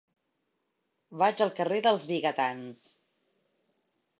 Vaig al carrer dels Vigatans.